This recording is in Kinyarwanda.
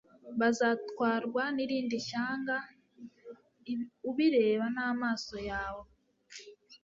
bazatwarwa n'irindi shyanga+ ubireba n'amaso yawe